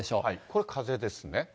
これ、風ですね。